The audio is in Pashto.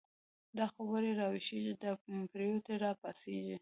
دا خوب وړی راويښږی، دا پريوتی را پا څيږی